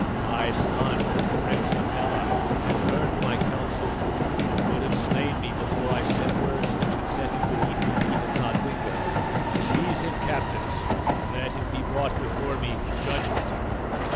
My son, the Prince Hafela, has learned my counsel, and would have slain me before I said words that should set him beneath the feet of Nodwengo. Seize him, captains, and let him be brought before me for judgment!"